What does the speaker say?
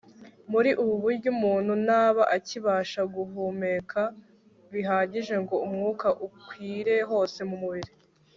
muri ubu buryo, umuntu ntaba akibasha guhumeka bihagije ngo umwuka ukwire hose mu mubiri